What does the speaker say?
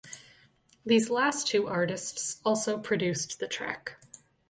These last two artists also produced the track.